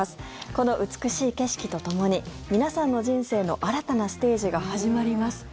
この美しい景色とともに皆さんの人生の新たなステージが始まります。